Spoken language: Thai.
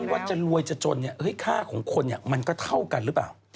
ว่าจะรวยจะจนค่าของคนมันก็เท่ากันหรือเปล่า